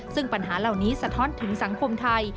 ซึ่งปัญหาเหล่านี้สะท้อนถึงสังคมไทย